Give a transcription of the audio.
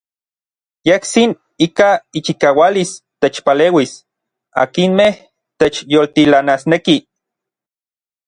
Yejtsin ika ichikaualis techpaleuis akinmej techyoltilanasnekij.